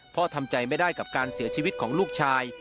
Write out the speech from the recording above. ทำใจไม่ได้กับการเสียชีวิตของลูกชาย